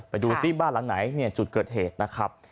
ไปดูซิบ้านหลังไหนเนี่ยจุดเกิดเหตุนะครับ